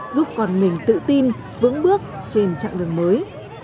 giúp con mình tự tin vững bước trên chặng đường mới